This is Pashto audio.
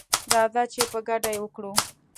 راځه چي په ګډه یې وکړو